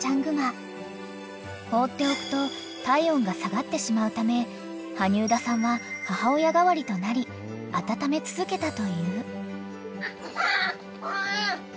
［放っておくと体温が下がってしまうため羽生田さんは母親代わりとなり温め続けたという］